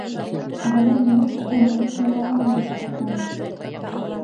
Бына минең ғүмере һуңлағаным юҡ сәхнәгә.